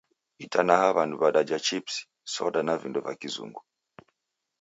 Itanaha w'andu w'adaja chipsi, soda na vindo va Kizungu.